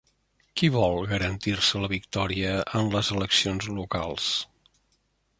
Qui vol garantir-se la victòria en les eleccions locals?